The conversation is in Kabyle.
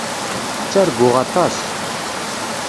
Ttarguɣ aṭas.